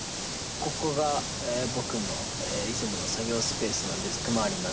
ここが僕のいつもの作業スペースのデスク周りになってます。